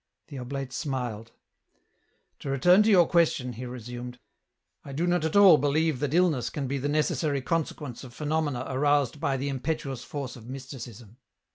The oblate smiled. " To return to your question," he resumed, " I do not at all believe that illness can be the necessary consequence of phenomena aroused by the im petuous force of mysticism."